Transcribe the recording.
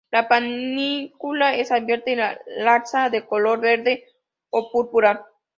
La panícula es abierta y laxa, de color verde o púrpura.